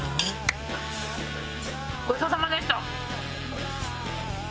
ごちそうさまでした。